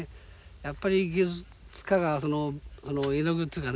やっぱり芸術家がその絵の具っていうかね